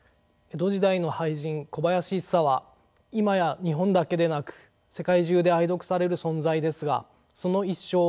江戸時代の俳人小林一茶は今や日本だけでなく世界中で愛読される存在ですがその一生は苦難に満ちていました。